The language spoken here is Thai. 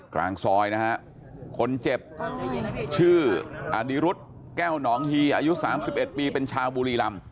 กลางซอยนะฮะคนเจ็บชื่ออดิรุธแก้วหนองฮีอายุ๓๑ปีเป็นชาวบุรีรำ